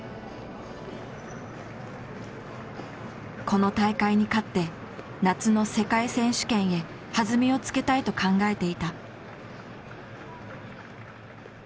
この大会に勝って夏の世界選手権へ弾みをつけたいと考えていた。